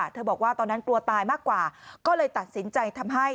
บอกว่าตอนนั้นกลัวตายมากกว่าก็เลยตัดสินใจทำให้